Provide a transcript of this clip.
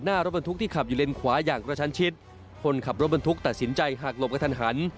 หน้ารถบรรทุกที่ขับอยู่เลนขวาอย่างกระชันชิดคนขับรถบรรทุกตัดสินใจหักหลบกระทันหัน